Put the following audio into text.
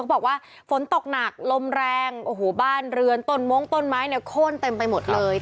บอกว่าฝนตกหนักลมแรงโอ้โหบ้านเรือนต้นมงต้นไม้เนี่ยโค้นเต็มไปหมดเลย